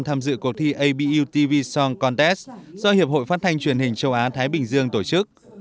tham dự cuộc thi abu tv song contest do hiệp hội phát thanh truyền hình châu á thái bình dương tổ chức